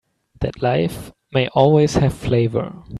That life may always have flavor.